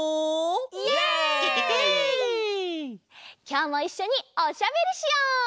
きょうもいっしょにおしゃべりしよう！